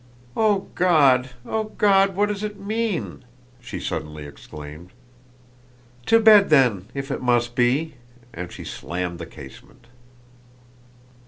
"O God, O God! What does it mean?" she suddenly exclaimed. "To bed then, if it must be!" and she slammed the casement.